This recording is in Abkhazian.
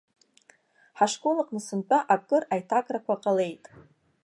Ҳашкол аҟны сынтәа акыр аиҭакрақәа ҟалеит.